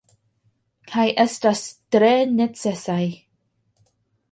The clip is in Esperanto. Kaj estas tre necesaj.